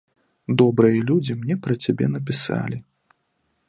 Добрыя людзі мне пра цябе напісалі.